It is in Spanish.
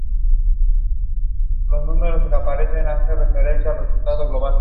Toda esta construcción fue diseñada claramente para el culto.